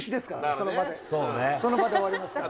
その場で終わりますから。